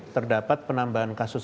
terdapat penambahan kasus